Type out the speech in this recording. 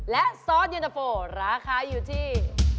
และซอสเย็นตะโฟราคาอยู่ที่